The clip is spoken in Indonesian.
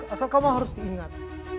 asal kamu harus ingat